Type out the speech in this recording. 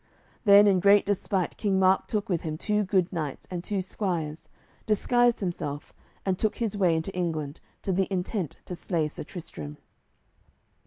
Then in great despite King Mark took with him two good knights and two squires, disguised himself, and took his way into England, to the intent to slay Sir Tristram.